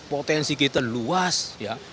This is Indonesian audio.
potensi kita luas ya